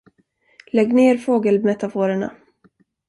Lägg ner fågelmetaforerna.